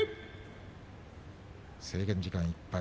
制限時間いっぱい。